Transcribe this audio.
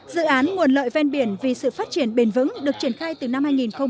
dự án nguồn lợi ven biển vì sự phát triển bền vững được triển khai từ năm hai nghìn một mươi